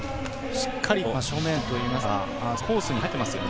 しっかりと正面といいますか打つコースに入っていますよね。